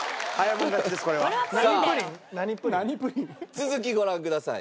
続きご覧ください。